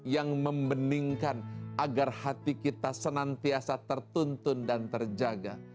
yang membeningkan agar hati kita senantiasa tertuntun dan terjaga